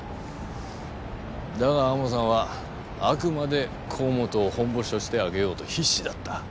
だが天羽さんはあくまで河本をホンボシとして挙げようと必死だった。